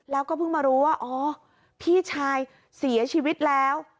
แล้วก็เพิ่งมารู้ว่าอ๋อพี่ชายเสียชีวิตแล้ว